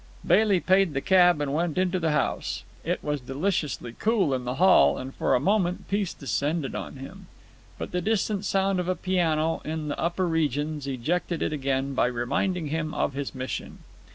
Bailey paid the cab and went into the house. It was deliciously cool in the hall, and for a moment peace descended on him. But the distant sound of a piano in the upper regions ejected it again by reminding him of his mission.